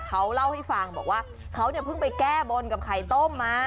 เขาเล่าให้ฟังบอกว่าเขาเนี่ยเพิ่งไปแก้บนกับไข่ต้มมา